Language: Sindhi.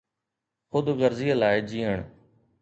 خود غرضيءَ لاءِ جيئڻ.